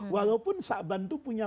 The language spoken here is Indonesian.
walaupun syabban itu punya